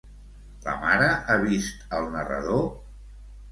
La mare ha vist al narrador?